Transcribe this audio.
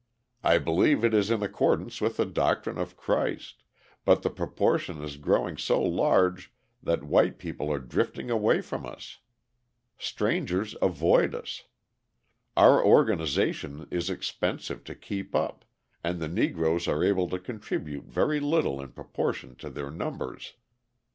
I believe it is in accordance with the doctrine of Christ, but the proportion is growing so large that white people are drifting away from us. Strangers avoid us. Our organisation is expensive to keep up and the Negroes are able to contribute very little in proportion to their numbers.